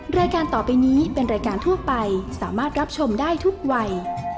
รายการต่อไปนี้เป็นรายการทั่วไปสามารถรับชมได้ทุกวัย